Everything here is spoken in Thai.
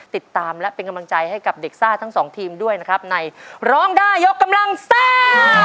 ติดตามและเป็นกำลังใจให้กับเด็กซ่าทั้งสองทีมด้วยนะครับในร้องได้ยกกำลังซ่า